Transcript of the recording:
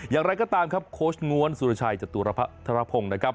อย่างไรก็ตามครับโค้ชง้วนสุรชัยจตุรพัทรพงศ์นะครับ